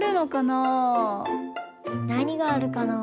なにがあるかな？